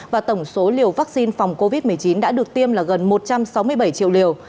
và tổng số liều vaccine phòng covid một mươi chín đã được tiêm là gần một trăm sáu mươi bảy triệu liều